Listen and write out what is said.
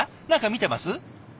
何か見てます？